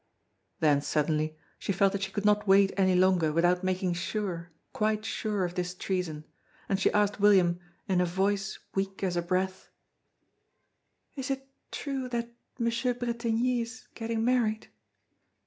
Then, suddenly, she felt that she could not wait any longer without making sure, quite sure, of this treason; and she asked William in a voice weak as a breath: "Is it true that M. Bretigny is getting married?"